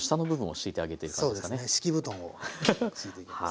敷布団を敷いていきます。